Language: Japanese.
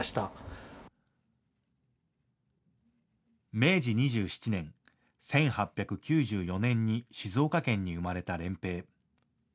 明治２７年、１８９４年に静岡県に生まれた漣平。